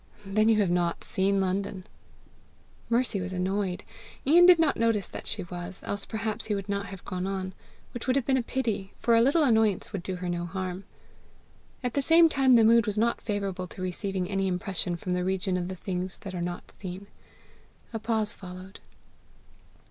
"Then you have not seen London!" Mercy was annoyed. Ian did not notice that she was, else perhaps he would not have gone on which would have been a pity, for a little annoyance would do her no harm. At the same time the mood was not favourable to receiving any impression from the region of the things that are not seen. A pause followed.